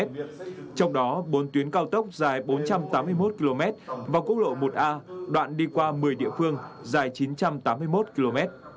trong đó bốn tuyến cao tốc dài bốn trăm tám mươi một km và quốc lộ một a đoạn đi qua một mươi địa phương dài chín trăm tám mươi một km